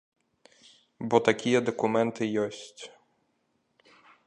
Бо такія дакументы ёсць.